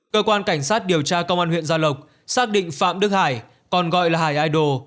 cơ quan cảnh sát điều tra công an huyện gia lộc xác định phạm đức hải còn gọi là hải ai đồ